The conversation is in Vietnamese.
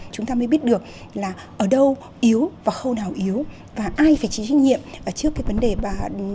chúng ta mới biết được là ở đâu yếu và khâu nào yếu và ai phải chỉ trách nhiệm trước cái vấn đề xâm hại đối với trẻ em